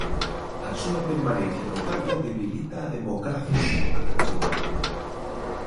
"A súa permanencia no cargo debilita a democracia", acrecentou.